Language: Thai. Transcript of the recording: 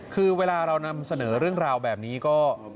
คือเวลาเรานำเสนอเรื่องราวแบบนี้ก็